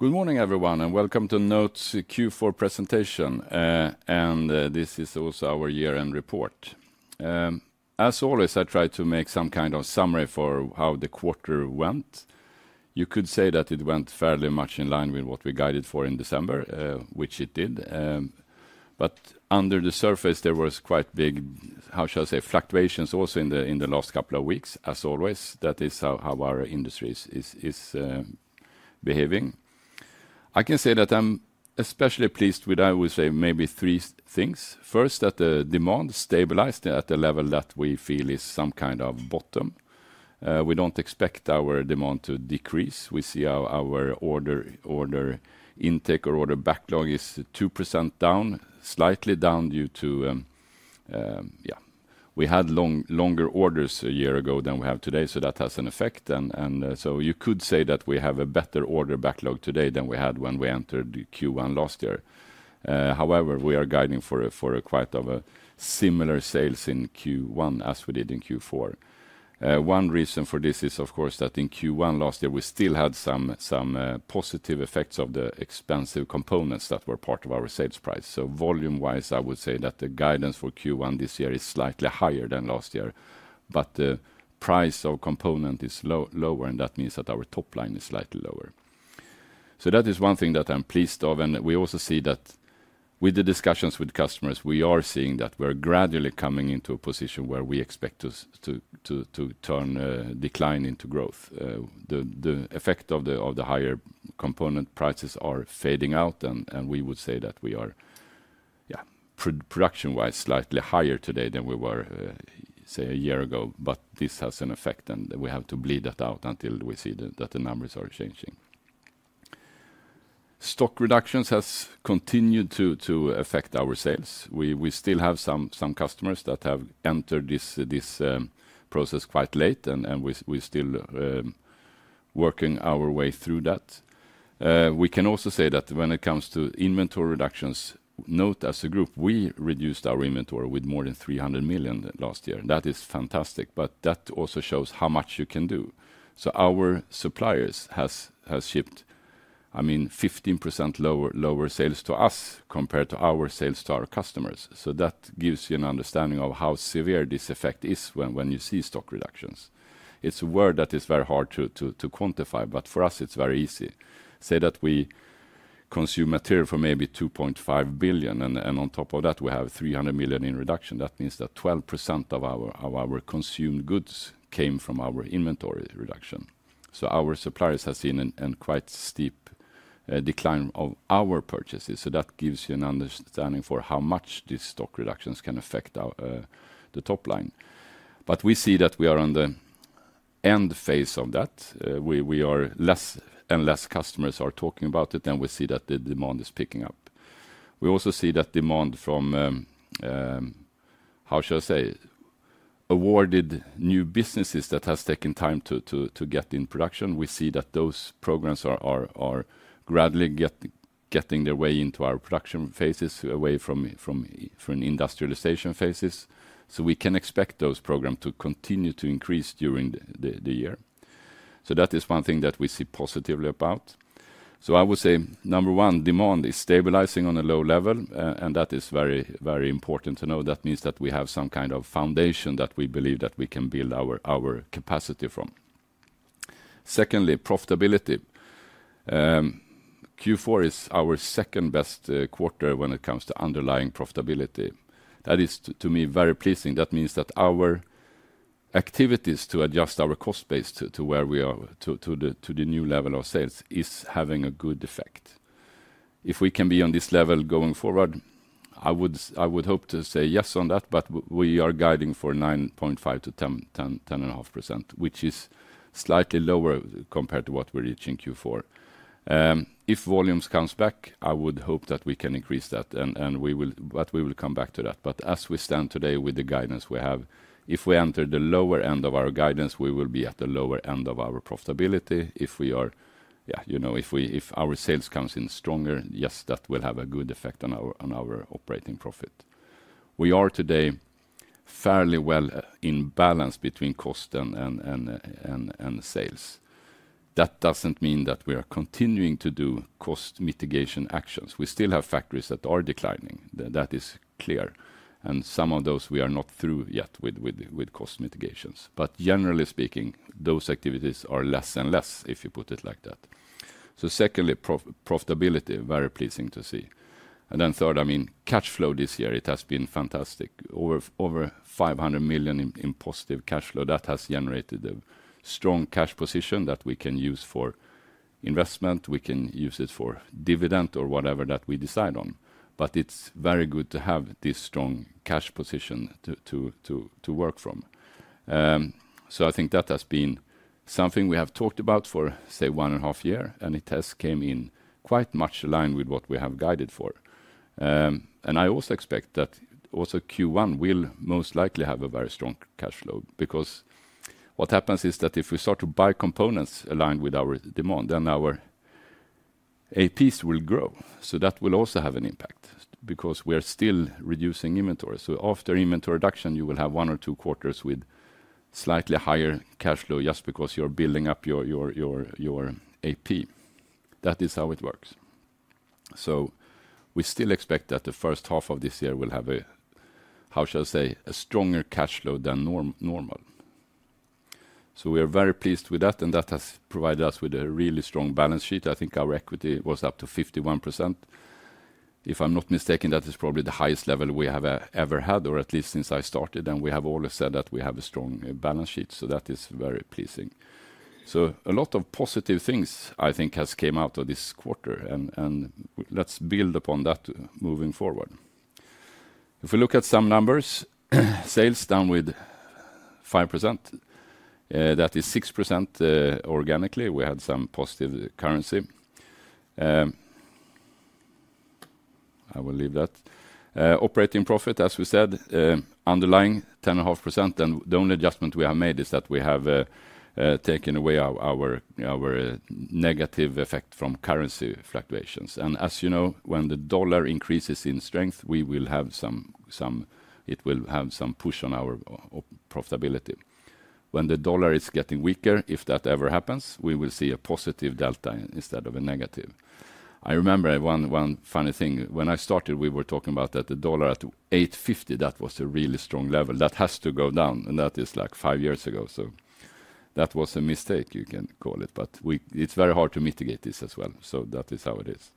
Good morning, everyone, and welcome to NOTE Q4 presentation, and this is also our year-end report. As always, I try to make some kind of summary for how the quarter went. You could say that it went fairly much in line with what we guided for in December, which it did. But under the surface, there were quite big, how shall I say, fluctuations also in the last couple of weeks, as always. That is how our industry is behaving. I can say that I'm especially pleased with, I would say, maybe three things. First, that the demand stabilized at a level that we feel is some kind of bottom. We don't expect our demand to decrease. We see our order intake or order backlog is 2% down, slightly down due to, yeah, we had longer orders a year ago than we have today, so that has an effect. And so you could say that we have a better order backlog today than we had when we entered Q1 last year. However, we are guiding for quite similar sales in Q1 as we did in Q4. One reason for this is, of course, that in Q1 last year, we still had some positive effects of the expensive components that were part of our sales price. So volume-wise, I would say that the guidance for Q1 this year is slightly higher than last year, but the price of component is lower, and that means that our top line is slightly lower. So that is one thing that I'm pleased of. And we also see that with the discussions with customers, we are seeing that we're gradually coming into a position where we expect to turn decline into growth. The effect of the higher component prices is fading out, and we would say that we are, yeah, production-wise slightly higher today than we were, say, a year ago. But this has an effect, and we have to bleed that out until we see that the numbers are changing. Stock reductions have continued to affect our sales. We still have some customers that have entered this process quite late, and we're still working our way through that. We can also say that when it comes to inventory reductions, NOTE as a group, we reduced our inventory with more than 300 million last year. That is fantastic, but that also shows how much you can do. So our suppliers have shipped, I mean, 15% lower sales to us compared to our sales to our customers. That gives you an understanding of how severe this effect is when you see stock reductions. It's a word that is very hard to quantify, but for us, it's very easy. Say that we consume material for maybe 2.5 billion, and on top of that, we have 300 million in reduction. That means that 12% of our consumed goods came from our inventory reduction. Our suppliers have seen a quite steep decline of our purchases. That gives you an understanding for how much these stock reductions can affect the top line. We see that we are on the end phase of that. We are less, and less customers are talking about it, and we see that the demand is picking up. We also see that demand from, how shall I say, awarded new businesses that have taken time to get in production. We see that those programs are gradually getting their way into our production phases, away from industrialization phases, so we can expect those programs to continue to increase during the year. So that is one thing that we see positively about, so I would say, number one, demand is stabilizing on a low level, and that is very important to know. That means that we have some kind of foundation that we believe that we can build our capacity from. Secondly, profitability. Q4 is our second-best quarter when it comes to underlying profitability. That is, to me, very pleasing. That means that our activities to adjust our cost base to where we are, to the new level of sales, is having a good effect. If we can be on this level going forward, I would hope to say yes on that, but we are guiding for 9.5%-10.5%, which is slightly lower compared to what we're reaching Q4. If volumes come back, I would hope that we can increase that, but we will come back to that. But as we stand today with the guidance we have, if we enter the lower end of our guidance, we will be at the lower end of our profitability. If we are, yeah, you know, if our sales come in stronger, yes, that will have a good effect on our operating profit. We are today fairly well in balance between cost and sales. That doesn't mean that we are continuing to do cost mitigation actions. We still have factories that are declining. That is clear. Some of those, we are not through yet with cost mitigations. Generally speaking, those activities are less and less, if you put it like that. Secondly, profitability, very pleasing to see. Third, I mean, cash flow this year, it has been fantastic. Over 500 million in positive cash flow. That has generated a strong cash position that we can use for investment. We can use it for dividend or whatever that we decide on. It's very good to have this strong cash position to work from. I think that has been something we have talked about for, say, one and a half year, and it has come in quite much aligned with what we have guided for. And I also expect that also Q1 will most likely have a very strong cash flow because what happens is that if we start to buy components aligned with our demand, then our APs will grow. So that will also have an impact because we are still reducing inventory. So after inventory reduction, you will have one or two quarters with slightly higher cash flow just because you're building up your AP. That is how it works. So we still expect that the first half of this year will have a, how shall I say, a stronger cash flow than normal. So we are very pleased with that, and that has provided us with a really strong balance sheet. I think our equity was up to 51%. If I'm not mistaken, that is probably the highest level we have ever had, or at least since I started, and we have always said that we have a strong balance sheet. So that is very pleasing. So a lot of positive things, I think, have come out of this quarter, and let's build upon that moving forward. If we look at some numbers, sales down with 5%. That is 6% organically. We had some positive currency. I will leave that. Operating profit, as we said, underlying 10.5%, and the only adjustment we have made is that we have taken away our negative effect from currency fluctuations. And as you know, when the dollar increases in strength, we will have some, it will have some push on our profitability. When the dollar is getting weaker, if that ever happens, we will see a positive delta instead of a negative. I remember one funny thing. When I started, we were talking about that the dollar at 8.50, that was a really strong level. That has to go down, and that is like five years ago, so that was a mistake, you can call it, but it's very hard to mitigate this as well, so that is how it is,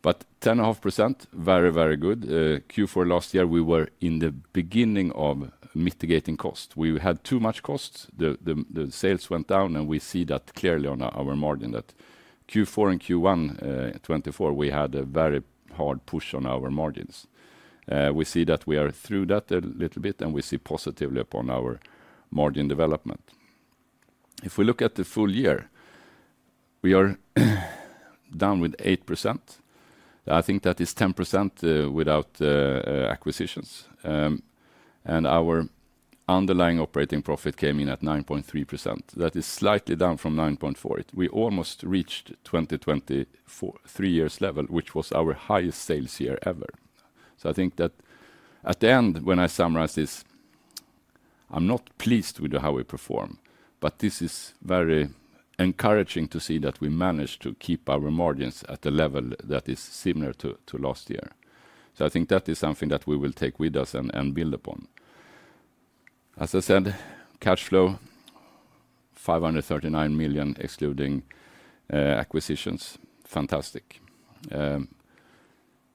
but 10.5%, very, very good. Q4 last year, we were in the beginning of mitigating cost. We had too much cost. The sales went down, and we see that clearly on our margin. That Q4 and Q1 2024, we had a very hard push on our margins. We see that we are through that a little bit, and we see positively upon our margin development. If we look at the full year, we are down with 8%. I think that is 10% without acquisitions. Our underlying operating profit came in at 9.3%. That is slightly down from 9.4%. We almost reached 2023 year's level, which was our highest sales year ever. So I think that at the end, when I summarize this, I'm not pleased with how we perform, but this is very encouraging to see that we managed to keep our margins at a level that is similar to last year. So I think that is something that we will take with us and build upon. As I said, cash flow, 539 million excluding acquisitions. Fantastic. And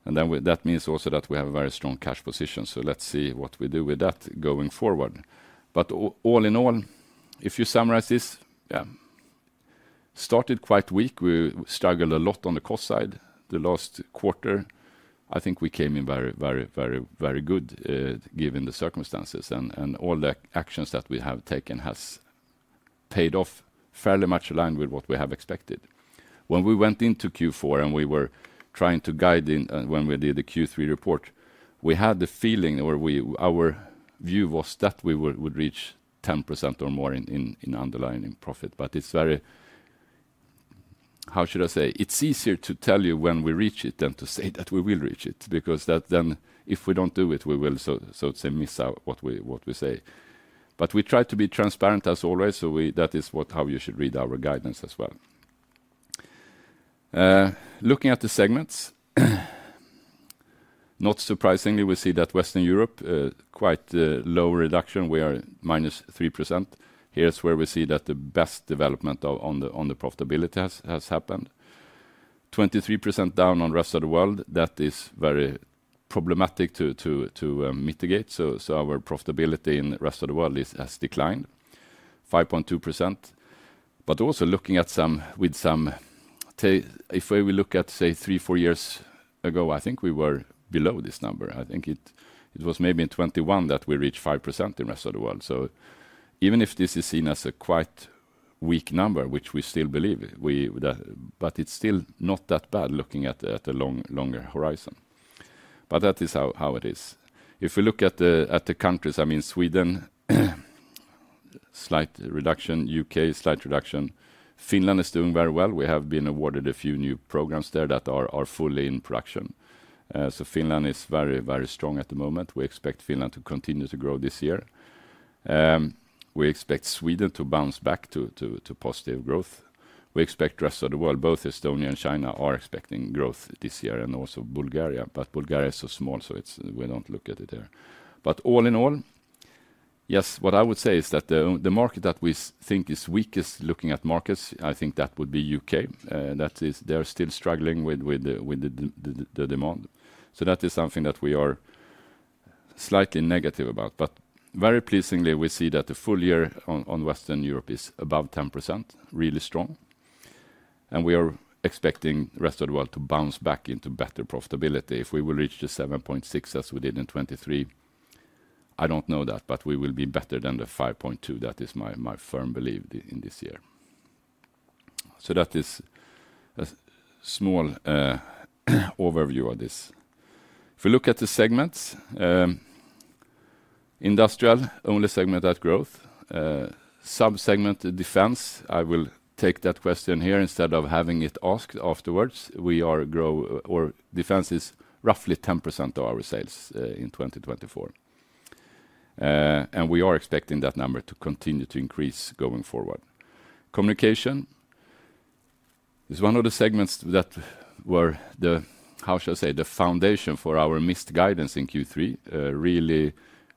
then that means also that we have a very strong cash position. So let's see what we do with that going forward. But all in all, if you summarize this, yeah, started quite weak. We struggled a lot on the cost side the last quarter. I think we came in very, very, very good given the circumstances, and all the actions that we have taken have paid off fairly much aligned with what we have expected. When we went into Q4 and we were trying to guide in when we did the Q3 report, we had the feeling or our view was that we would reach 10% or more in underlying profit. But it's very, how shall I say, it's easier to tell you when we reach it than to say that we will reach it because then if we don't do it, we will, so to say, miss out what we say. But we try to be transparent as always, so that is how you should read our guidance as well. Looking at the segments, not surprisingly, we see that Western Europe, quite low reduction. We are -3%. Here's where we see that the best development on the profitability has happened. 23% down on the rest of the world. That is very problematic to mitigate, so our profitability in the rest of the world has declined 5.2%, but also looking at some, if we look at, say, three, four years ago, I think we were below this number. I think it was maybe in 2021 that we reached 5% in the rest of the world, so even if this is seen as a quite weak number, which we still believe, but it's still not that bad looking at a longer horizon, but that is how it is. If we look at the countries, I mean, Sweden, slight reduction, U.K., slight reduction. Finland is doing very well. We have been awarded a few new programs there that are fully in production. Finland is very, very strong at the moment. We expect Finland to continue to grow this year. We expect Sweden to bounce back to positive growth. We expect the rest of the world, both Estonia and China, are expecting growth this year and also Bulgaria. Bulgaria is so small, so we don't look at it here. All in all, yes, what I would say is that the market that we think is weakest looking at markets, I think that would be U.K. They're still struggling with the demand. That is something that we are slightly negative about. Very pleasingly, we see that the full year on Western Europe is above 10%, really strong. We are expecting the rest of the world to bounce back into better profitability if we will reach the 7.6 as we did in 2023. I don't know that, but we will be better than the 5.2. That is my firm belief in this year. So that is a small overview of this. If we look at the segments, industrial, only segment that growth. Sub-segment, defense, I will take that question here instead of having it asked afterwards. We are growing, or defense is roughly 10% of our sales in 2024. And we are expecting that number to continue to increase going forward. Communication is one of the segments that were, how shall I say, the foundation for our missed guidance in Q3, really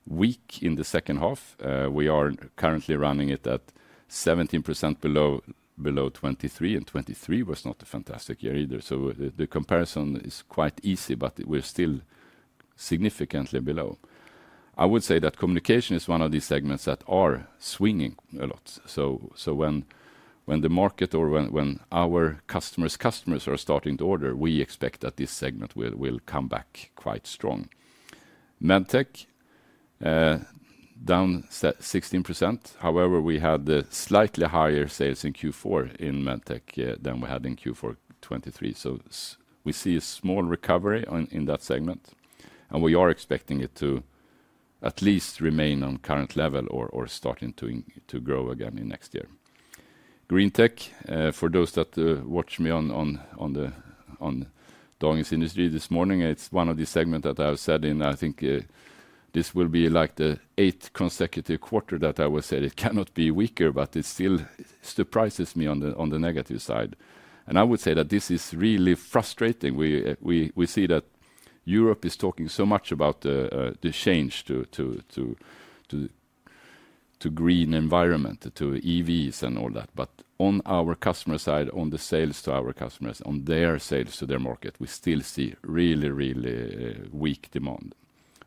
weak in the second half. We are currently running it at 17% below 2023, and 2023 was not a fantastic year either. So the comparison is quite easy, but we're still significantly below. I would say that communication is one of these segments that are swinging a lot. So when the market or when our customers' customers are starting to order, we expect that this segment will come back quite strong. Medtech, down 16%. However, we had slightly higher sales in Q4 in Medtech than we had in Q4 2023. So we see a small recovery in that segment. And we are expecting it to at least remain on current level or starting to grow again in next year. GreenTech, for those that watch me on the doggone industry this morning, it's one of these segments that I have said in, I think this will be like the eighth consecutive quarter that I will say it cannot be weaker, but it still surprises me on the negative side. And I would say that this is really frustrating. We see that Europe is talking so much about the change to green environment, to EVs and all that. But on our customer side, on the sales to our customers, on their sales to their market, we still see really, really weak demand.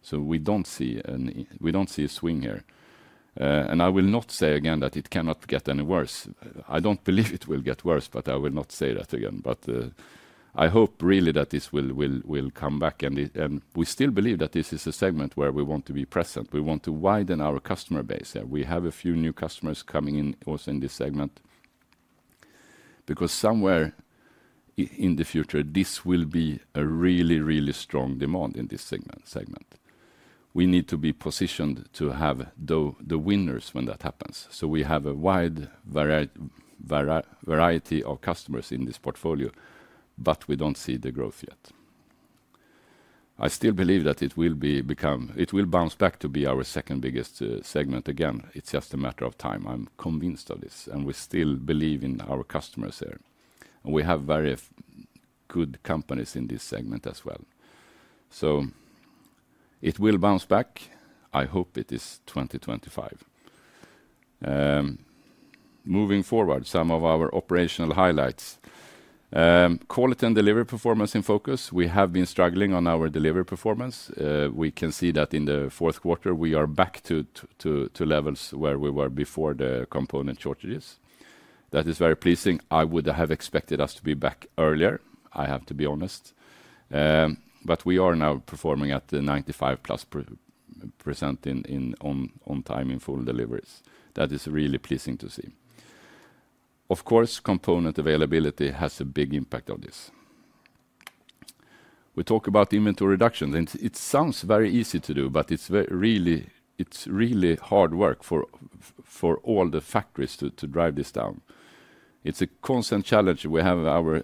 So we don't see a swing here. And I will not say again that it cannot get any worse. I don't believe it will get worse, but I will not say that again. But I hope really that this will come back. And we still believe that this is a segment where we want to be present. We want to widen our customer base. We have a few new customers coming in also in this segment because somewhere in the future, this will be a really, really strong demand in this segment. We need to be positioned to have the winners when that happens. So we have a wide variety of customers in this portfolio, but we don't see the growth yet. I still believe that it will become, it will bounce back to be our second biggest segment again. It's just a matter of time. I'm convinced of this. And we still believe in our customers here. And we have very good companies in this segment as well. So it will bounce back. I hope it is 2025. Moving forward, some of our operational highlights. Quality and delivery performance in focus. We have been struggling on our delivery performance. We can see that in the fourth quarter, we are back to levels where we were before the component shortages. That is very pleasing. I would have expected us to be back earlier, I have to be honest. But we are now performing at the 95% plus on time in full deliveries. That is really pleasing to see. Of course, component availability has a big impact on this. We talk about inventory reduction. It sounds very easy to do, but it's really hard work for all the factories to drive this down. It's a constant challenge. We have our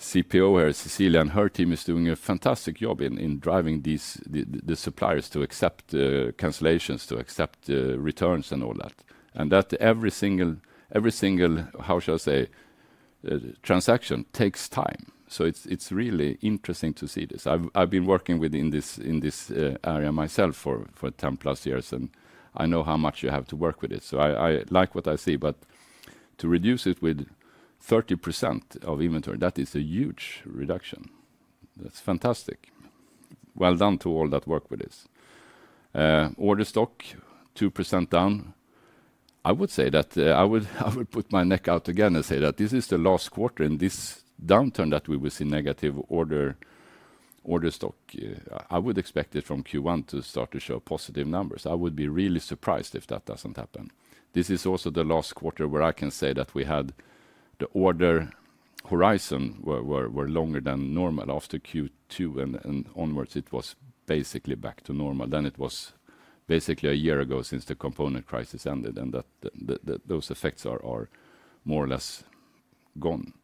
CPO here, Cecilia, and her team is doing a fantastic job in driving the suppliers to accept cancellations, to accept returns and all that, and that every single, how shall I say, transaction takes time. So it's really interesting to see this. I've been working within this area myself for 10 plus years, and I know how much you have to work with it. So I like what I see, but to reduce it with 30% of inventory, that is a huge reduction. That's fantastic. Well done to all that work with this. Order stock, 2% down. I would say that I would put my neck out again and say that this is the last quarter in this downturn that we will see negative order stock. I would expect it from Q1 to start to show positive numbers. I would be really surprised if that doesn't happen. This is also the last quarter where I can say that we had the order horizon were longer than normal after Q2 and onwards. It was basically back to normal. Then it was basically a year ago since the component crisis ended and that those effects are more or less gone.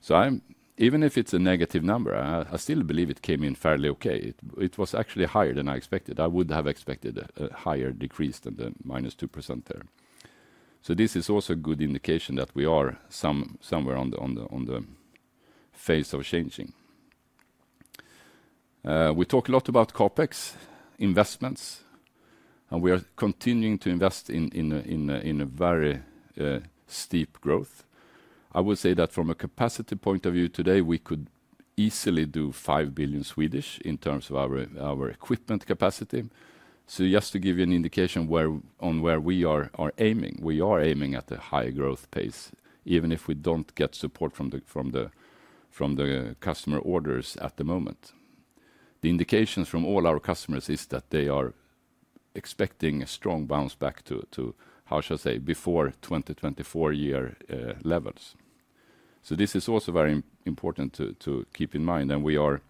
So even if it's a negative number, I still believe it came in fairly okay. It was actually higher than I expected. I would have expected a higher decrease than the -2% there. So this is also a good indication that we are somewhere on the phase of changing. We talk a lot about CapEx investments, and we are continuing to invest in a very steep growth. I would say that from a capacity point of view today, we could easily do 5 billion SEK in terms of our equipment capacity. So just to give you an indication on where we are aiming, we are aiming at a high growth pace, even if we don't get support from the customer orders at the moment. The indications from all our customers is that they are expecting a strong bounce back to, how shall I say, before 2024 year levels. So this is also very important to keep in mind. And we are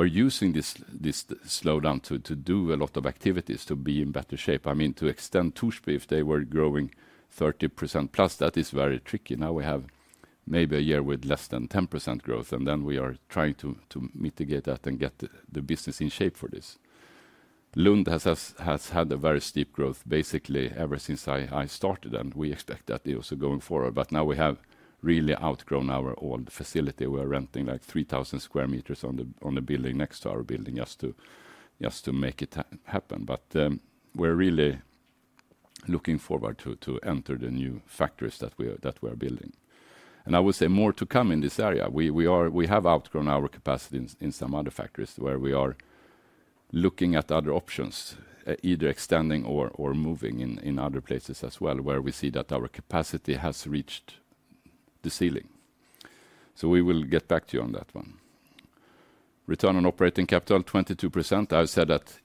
using this slowdown to do a lot of activities to be in better shape. I mean, to extend Torsby if they were growing 30% plus, that is very tricky. Now we have maybe a year with less than 10% growth, and then we are trying to mitigate that and get the business in shape for this. Lund has had a very steep growth basically ever since I started, and we expect that they are also going forward. But now we have really outgrown our old facility. We are renting like 3,000 square meters on the building next to our building just to make it happen. But we're really looking forward to enter the new factories that we are building. And I would say more to come in this area. We have outgrown our capacity in some other factories where we are looking at other options, either extending or moving in other places as well where we see that our capacity has reached the ceiling. So we will get back to you on that one. Return on operating capital, 22%. I've said that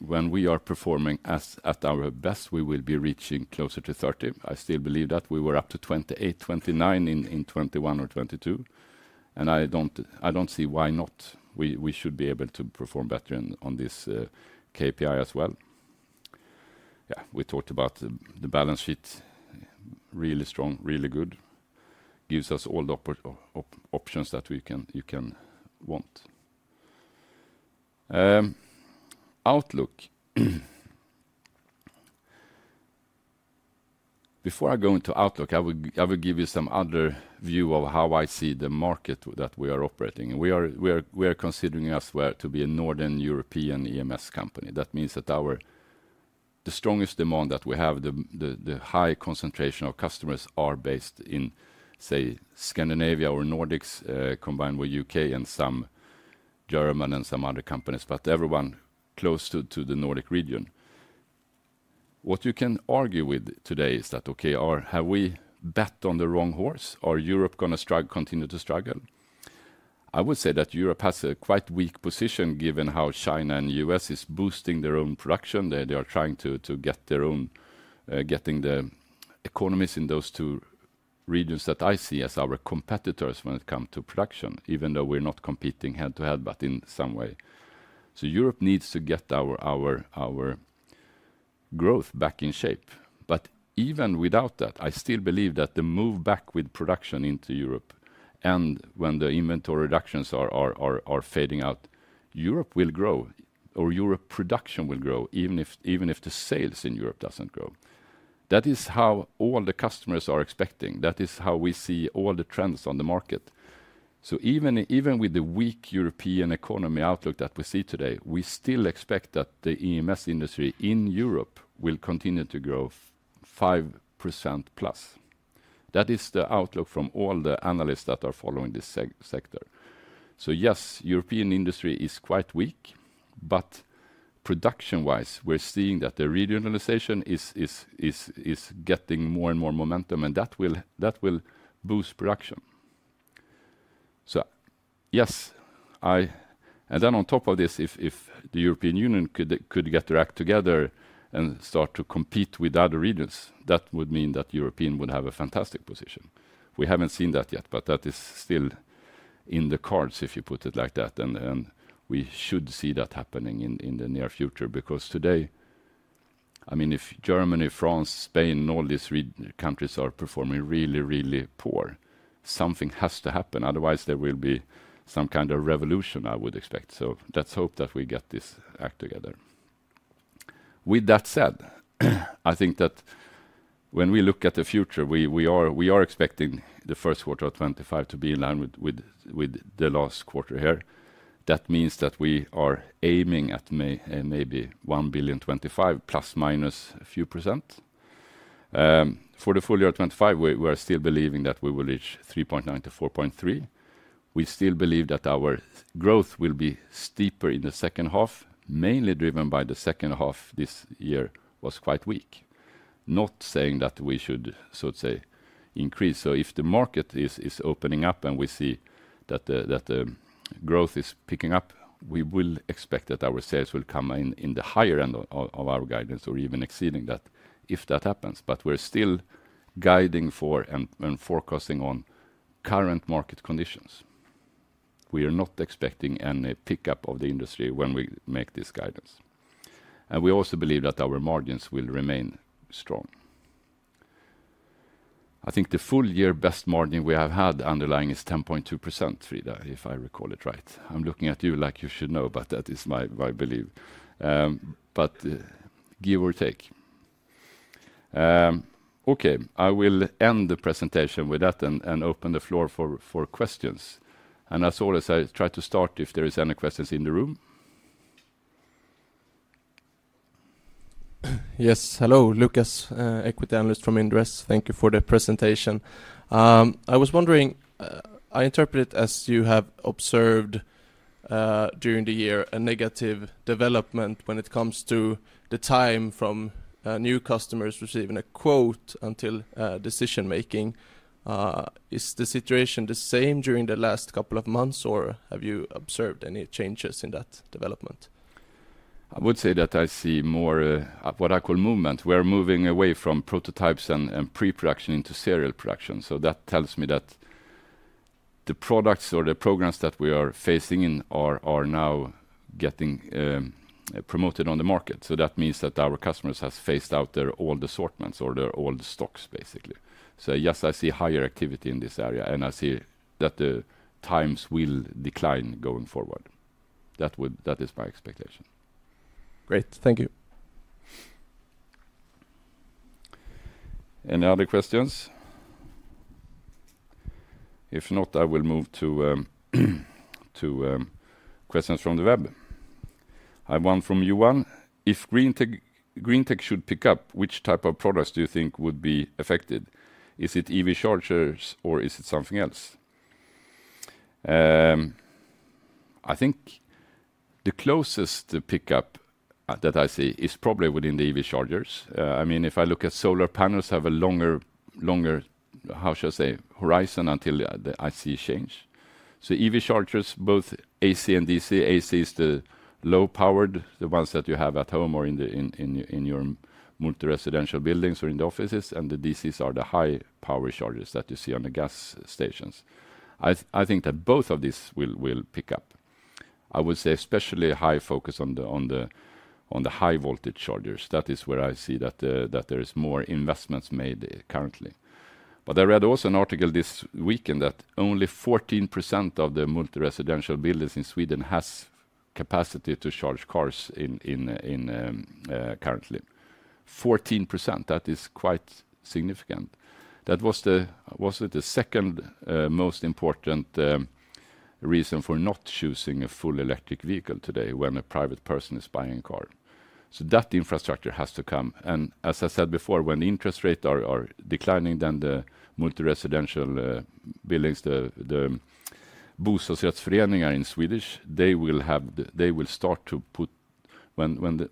when we are performing at our best, we will be reaching closer to 30. I still believe that we were up to 28, 29 in 2021 or 2022. And I don't see why not. We should be able to perform better on this KPI as well. Yeah, we talked about the balance sheet, really strong, really good. Gives us all the options that you can want. Outlook. Before I go into Outlook, I will give you some other view of how I see the market that we are operating. We are considering us to be a Northern European EMS company. That means that the strongest demand that we have, the high concentration of customers are based in, say, Scandinavia or Nordics combined with U.K. and some German and some other companies, but everyone close to the Nordic region. What you can argue with today is that, okay, have we bet on the wrong horse? Are Europe going to continue to struggle? I would say that Europe has a quite weak position given how China and the U.S. is boosting their own production. They are trying to get their own, getting the economies in those two regions that I see as our competitors when it comes to production, even though we're not competing head to head, but in some way. So Europe needs to get our growth back in shape. But even without that, I still believe that the move back with production into Europe and when the inventory reductions are fading out, Europe will grow or Europe's production will grow even if the sales in Europe doesn't grow. That is how all the customers are expecting. That is how we see all the trends on the market. So even with the weak European economy outlook that we see today, we still expect that the EMS industry in Europe will continue to grow 5% plus. That is the outlook from all the analysts that are following this sector. So yes, European industry is quite weak, but production-wise, we're seeing that the regionalization is getting more and more momentum, and that will boost production. Yes, and then on top of this, if the European Union could get their act together and start to compete with other regions, that would mean that Europeans would have a fantastic position. We haven't seen that yet, but that is still in the cards if you put it like that. We should see that happening in the near future because today, I mean, if Germany, France, Spain, and all these countries are performing really, really poor, something has to happen. Otherwise, there will be some kind of revolution I would expect. Let's hope that we get this act together. With that said, I think that when we look at the future, we are expecting the first quarter of 2025 to be in line with the last quarter here. That means that we are aiming at maybe 1.025 billion plus minus a few %. For the full year of 2025, we are still believing that we will reach 3.9-4.3. We still believe that our growth will be steeper in the second half, mainly driven by the second half this year was quite weak. Not saying that we should, so to say, increase. So if the market is opening up and we see that the growth is picking up, we will expect that our sales will come in the higher end of our guidance or even exceeding that if that happens. But we're still guiding for and forecasting on current market conditions. We are not expecting any pickup of the industry when we make this guidance. And we also believe that our margins will remain strong. I think the full year best margin we have had underlying is 10.2%, Frida, if I recall it right. I'm looking at you like you should know, but that is my belief. But give or take. Okay, I will end the presentation with that and open the floor for questions. And as always, I try to start if there are any questions in the room. Yes, hello, Lukas, equity analyst from Inderes. Thank you for the presentation. I was wondering, I interpret it as you have observed during the year a negative development when it comes to the time from new customers receiving a quote until decision-making. Is the situation the same during the last couple of months, or have you observed any changes in that development? I would say that I see more of what I call movement. We are moving away from prototypes and pre-production into serial production. So that tells me that the products or the programs that we are facing in are now getting promoted on the market. So that means that our customers have phased out their old assortments or their old stocks, basically. So yes, I see higher activity in this area, and I see that the times will decline going forward. That is my expectation. Great, thank you. Any other questions? If not, I will move to questions from the web. I have one from Yuan. If GreenTech should pick up, which type of products do you think would be affected? Is it EV chargers, or is it something else? I think the closest pickup that I see is probably within the EV chargers. I mean, if I look at solar panels, they have a longer, how shall I say, horizon until I see change. So EV chargers, both AC and DC. AC is the low-powered, the ones that you have at home or in your multi-residential buildings or in the offices, and the DCs are the high-power chargers that you see on the gas stations. I think that both of these will pick up. I would say especially high focus on the high-voltage chargers. That is where I see that there are more investments made currently. But I read also an article this weekend that only 14% of the multi-residential buildings in Sweden have capacity to charge cars currently. 14%, that is quite significant. That was the second most important reason for not choosing a full electric vehicle today when a private person is buying a car. So that infrastructure has to come. As I said before, when interest rates are declining, then the multi-residential buildings, the bostadsrättsföreningar in Swedish, they will start to put, when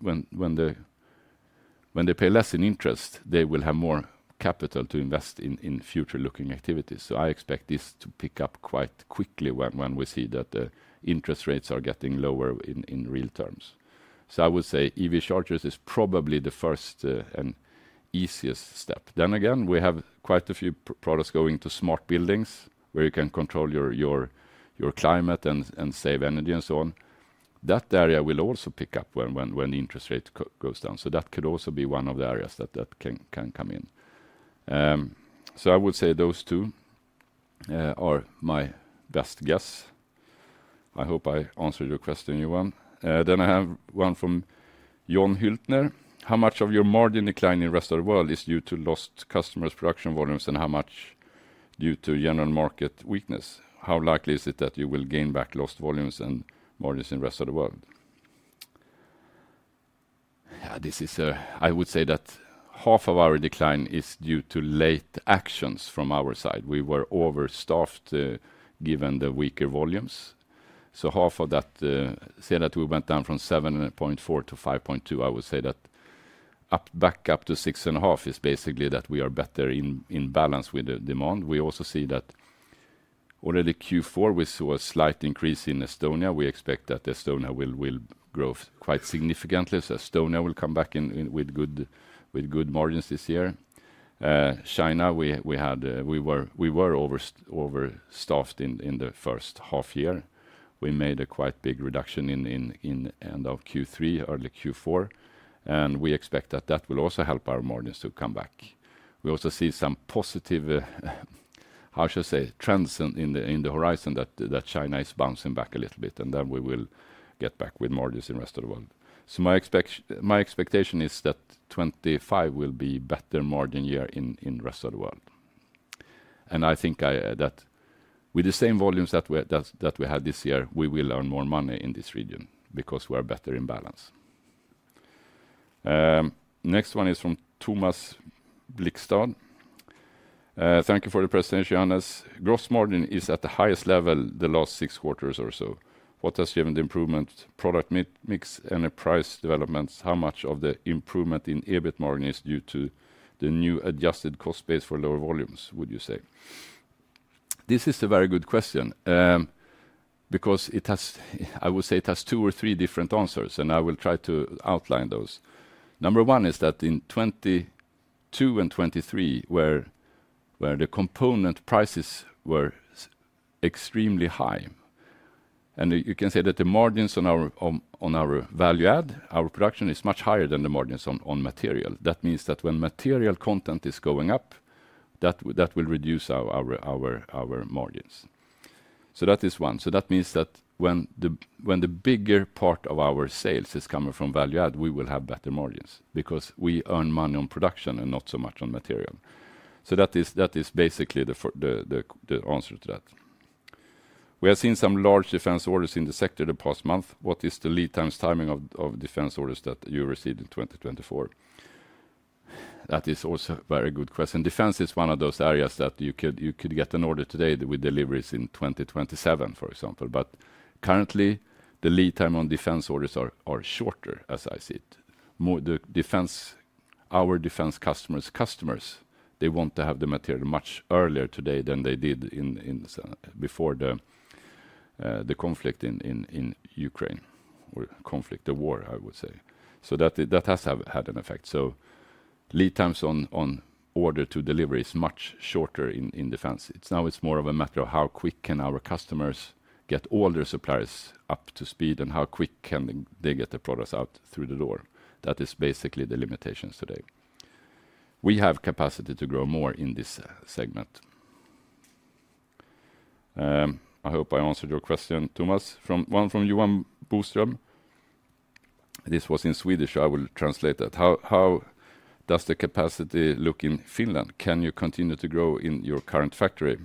they pay less in interest, they will have more capital to invest in future-looking activities. So I expect this to pick up quite quickly when we see that the interest rates are getting lower in real terms. So I would say EV chargers is probably the first and easiest step. Then again, we have quite a few products going to smart buildings where you can control your climate and save energy and so on. That area will also pick up when interest rate goes down. So that could also be one of the areas that can come in. So I would say those two are my best guess. I hope I answered your question, Yuan. Then I have one from Jon Hyltner. How much of your margin decline in the rest of the world is due to lost customers' production volumes and how much due to general market weakness? How likely is it that you will gain back lost volumes and margins in the rest of the world? Yeah, this is, I would say that half of our decline is due to late actions from our side. We were overstaffed given the weaker volumes. So half of that, say that we went down from 7.4% to 5.2%. I would say that back up to 6.5% is basically that we are better in balance with the demand. We also see that already Q4, we saw a slight increase in Estonia. We expect that Estonia will grow quite significantly. So Estonia will come back with good margins this year. China, we were overstaffed in the first half year. We made a quite big reduction in the end of Q3, early Q4. We expect that that will also help our margins to come back. We also see some positive, how shall I say, trends in the horizon that China is bouncing back a little bit, and then we will get back with margins in the rest of the world. My expectation is that 2025 will be a better margin year in the rest of the world. I think that with the same volumes that we had this year, we will earn more money in this region because we are better in balance. Next one is from Thomas Blixstad. Thank you for the presentation, Johannes. Gross margin is at the highest level the last six quarters or so. What has given the improvement? Product mix and price developments, how much of the improvement in EBIT margin is due to the new adjusted cost base for lower volumes, would you say? This is a very good question because it has, I would say it has two or three different answers, and I will try to outline those. Number one is that in 2022 and 2023, where the component prices were extremely high, and you can say that the margins on our value add, our production is much higher than the margins on material. That means that when material content is going up, that will reduce our margins. So that is one. So that means that when the bigger part of our sales is coming from value add, we will have better margins because we earn money on production and not so much on material. So that is basically the answer to that. We have seen some large defense orders in the sector the past month. What is the lead times timing of defense orders that you received in 2024? That is also a very good question. Defense is one of those areas that you could get an order today with deliveries in 2027, for example. But currently, the lead time on defense orders are shorter, as I see it. Our defense customers, they want to have the material much earlier today than they did before the conflict in Ukraine or the war, I would say. So that has had an effect. So lead times on order to delivery is much shorter in defense. Now it's more of a matter of how quick can our customers get older suppliers up to speed and how quick can they get the products out through the door. That is basically the limitations today. We have capacity to grow more in this segment. I hope I answered your question, Thomas. One from Johan Boström. This was in Swedish. I will translate that. How does the capacity look in Finland? Can you continue to grow in your current factory?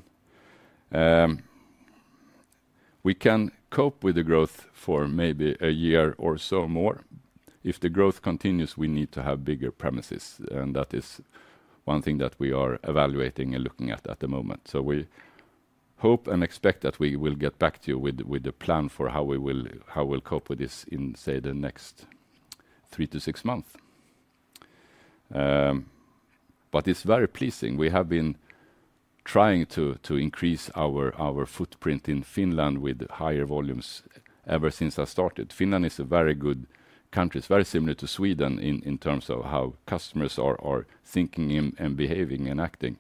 We can cope with the growth for maybe a year or so more. If the growth continues, we need to have bigger premises, and that is one thing that we are evaluating and looking at the moment, so we hope and expect that we will get back to you with a plan for how we will cope with this in, say, the next three to six months, but it's very pleasing. We have been trying to increase our footprint in Finland with higher volumes ever since I started. Finland is a very good country, very similar to Sweden in terms of how customers are thinking and behaving and acting.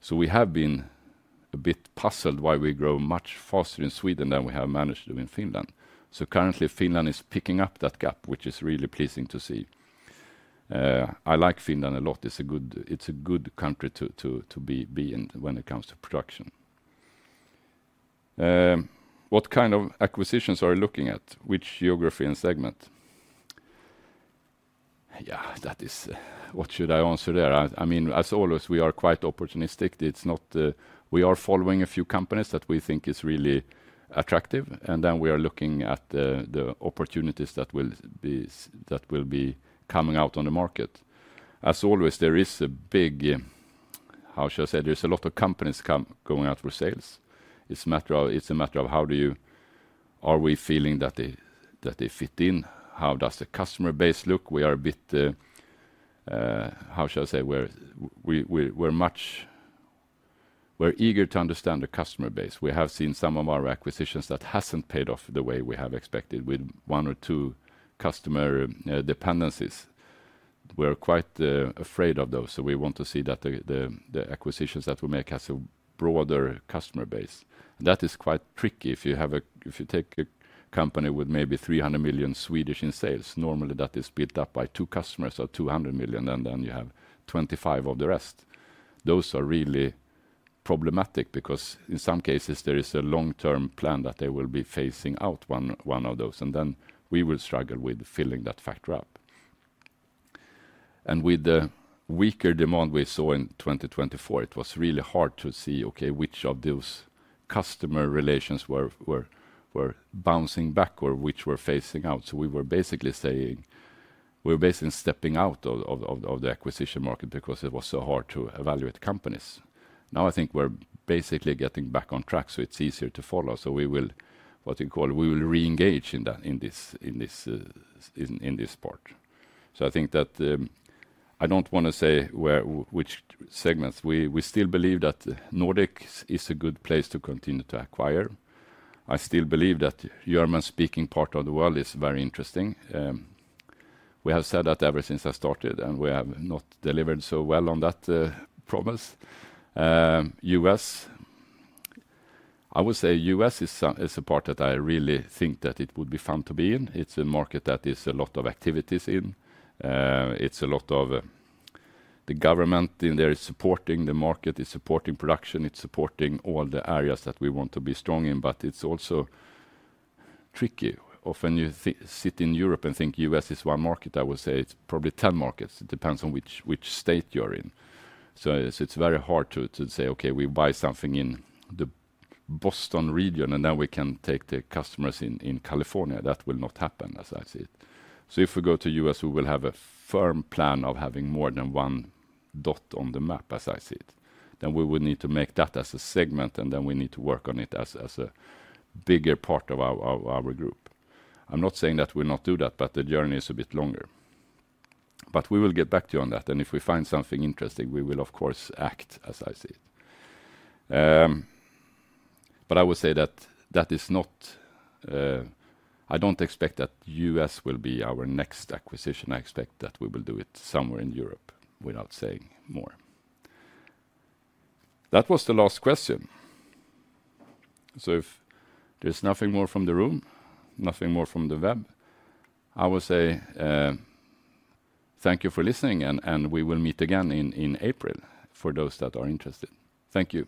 So we have been a bit puzzled why we grow much faster in Sweden than we have managed to do in Finland. So currently, Finland is picking up that gap, which is really pleasing to see. I like Finland a lot. It's a good country to be in when it comes to production. What kind of acquisitions are you looking at? Which geography and segment? Yeah, that is, what should I answer there? I mean, as always, we are quite opportunistic. We are following a few companies that we think are really attractive, and then we are looking at the opportunities that will be coming out on the market. As always, there is a big, how shall I say, there's a lot of companies going out for sales. It's a matter of how do you, are we feeling that they fit in? How does the customer base look? We are a bit, how shall I say, we're eager to understand the customer base. We have seen some of our acquisitions that haven't paid off the way we have expected with one or two customer dependencies. We're quite afraid of those. So we want to see that the acquisitions that we make have a broader customer base. That is quite tricky. If you take a company with maybe 300 million in sales, normally that is built up by two customers of 200 million, and then you have 25 million of the rest. Those are really problematic because in some cases, there is a long-term plan that they will be phasing out one of those. And then we will struggle with filling that factory up. And with the weaker demand we saw in 2024, it was really hard to see, okay, which of those customer relations were bouncing back or which were phasing out. So we were basically saying, we were basically stepping out of the acquisition market because it was so hard to evaluate companies. Now I think we're basically getting back on track, so it's easier to follow. So we will, what you call, we will re-engage in this part. So I think that I don't want to say which segments. We still believe that Nordic is a good place to continue to acquire. I still believe that German-speaking part of the world is very interesting. We have said that ever since I started, and we have not delivered so well on that promise. U.S., I would say U.S. is a part that I really think that it would be fun to be in. It's a market that there's a lot of activities in. It's a lot of the government in there is supporting the market, is supporting production, it's supporting all the areas that we want to be strong in, but it's also tricky. Often you sit in Europe and think U.S. is one market. I would say it's probably 10 markets. It depends on which state you're in. So it's very hard to say, okay, we buy something in the Boston region and then we can take the customers in California. That will not happen, as I see it. So if we go to U.S., we will have a firm plan of having more than one dot on the map, as I see it. Then we will need to make that as a segment, and then we need to work on it as a bigger part of our group. I'm not saying that we'll not do that, but the journey is a bit longer. But we will get back to you on that. And if we find something interesting, we will, of course, act, as I see it. But I would say that that is not. I don't expect that U.S. will be our next acquisition. I expect that we will do it somewhere in Europe without saying more. That was the last question. So if there's nothing more from the room, nothing more from the web, I would say thank you for listening, and we will meet again in April for those that are interested. Thank you.